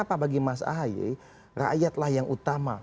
karena bagi mas ahy rakyatlah yang utama